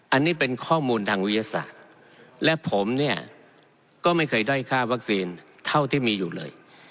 อันนี้เป็นข้อมูลทางวิทยาศาสตร์และผมเนี่ยก็ไม่เคยด้อยค่าวัคซีนเท่าที่มีอยู่เลย